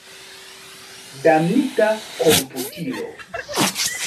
Damnita komputilo!